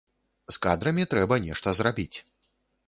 З кадрамі трэба нешта зрабіць.